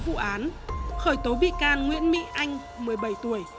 nguyễn mỹ anh khởi tố bị can nguyễn mỹ anh một mươi bảy tuổi